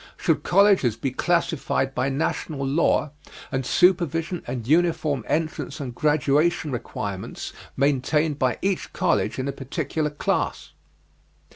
Should colleges be classified by national law and supervision, and uniform entrance and graduation requirements maintained by each college in a particular class?